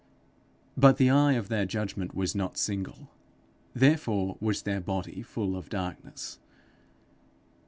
But the eye of their judgment was not single, therefore was their body full of darkness.